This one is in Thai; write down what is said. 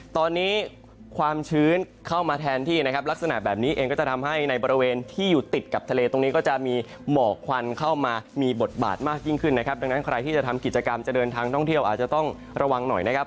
แต่การจะเดินทางท่องเที่ยวอาจจะต้องระวังหน่อยนะครับ